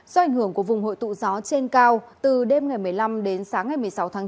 do ảnh hưởng của vùng hội tụ gió trên cao từ đêm ngày một mươi năm đến sáng ngày một mươi sáu tháng chín